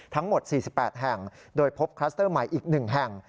ทั้งหมด๔๘แห่งโดยพบคลัสเตอร์ใหม่อีก๑แห่ง